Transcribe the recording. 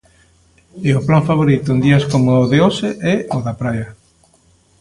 E o plan favorito en días coma o de hoxe é o da praia.